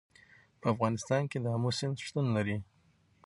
په افغانستان کې د آمو سیند شتون لري.